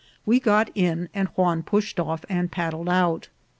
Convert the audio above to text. We got in, and Juan pushed off and paddled out.